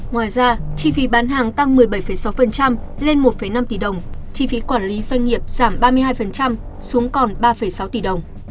ngoài ra chi phí bán hàng tăng một mươi bảy sáu lên một năm tỷ đồng chi phí quản lý doanh nghiệp giảm ba mươi hai xuống còn ba sáu tỷ đồng